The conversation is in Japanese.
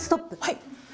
はい！